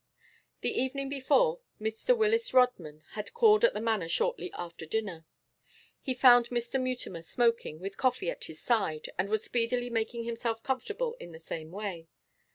The evening before, Mr. Willis Rodman had called at the Manor shortly after dinner. He found Mutimer smoking, with coffee at his side, and was speedily making himself comfortable in the same way.